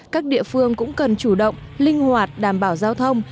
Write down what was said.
các địa phương cũng cần chủ động linh hoạt đảm bảo giao thông